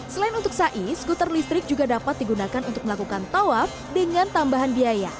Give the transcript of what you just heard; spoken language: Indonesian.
selain untuk sai skuter listrik juga dapat digunakan untuk melakukan tawaf dengan tambahan biaya